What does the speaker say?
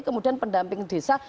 kemudian pendamping desa